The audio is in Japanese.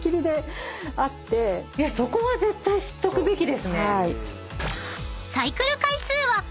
そこは絶対知っとくべきですね。